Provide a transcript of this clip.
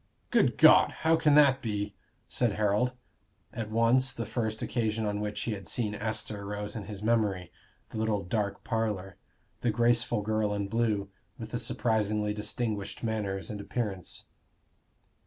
"Good God! How can that be?" said Harold. At once, the first occasion on which he had seen Esther rose in his memory the little dark parlor the graceful girl in blue, with the surprisingly distinguished manners and appearance.